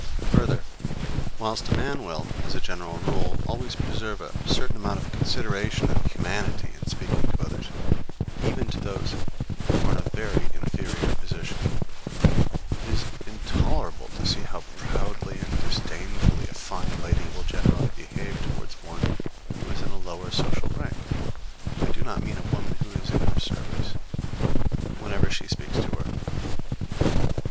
Further, whilst a man will, as a general rule, always preserve a certain amount of consideration and humanity in speaking to others, even to those who are in a very inferior position, it is intolerable to see how proudly and disdainfully a fine lady will generally behave towards one who is in a lower social rank (I do not mean a woman who is in her service), whenever she speaks to her.